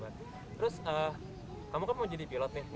terus kamu kan mau jadi pilot nih